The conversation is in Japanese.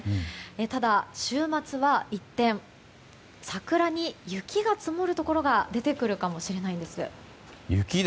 ただ、週末は一転桜に雪が積もるところが出てくるかもしれないんです。